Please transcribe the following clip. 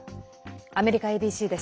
アメリカＡＢＣです。